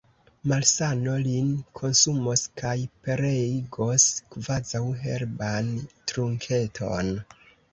malsano lin konsumos kaj pereigos, kvazaŭ herban trunketon!